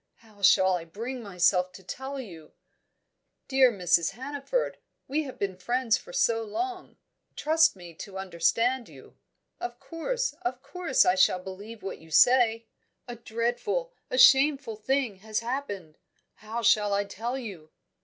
How shall I bring myself to tell you?" "Dear Mrs. Hannaford, we have been friends so long. Trust me to understand you. Of course, of course I shall believe what you say!" "A dreadful, a shameful thing has happened. How shall I tell you?"